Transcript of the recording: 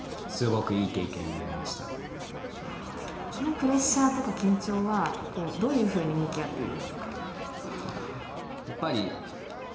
プレッシャーとか緊張はどういうふうに向き合っている？